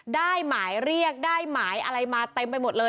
ได้หมายเรียกได้หมายอะไรมาเต็มไปหมดเลย